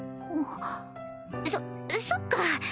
そそっか